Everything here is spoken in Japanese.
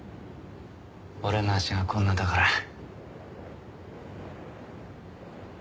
俺の足がこんなだから。